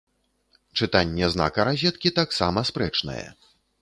Чытанне знака разеткі таксама спрэчнае.